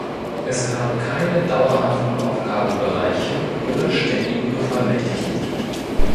Es gab keine dauerhaften Aufgabenbereiche oder ständigen Bevollmächtigten.